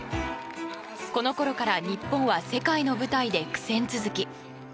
このころから日本は世界の舞台で苦戦続き。